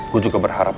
gue juga berharap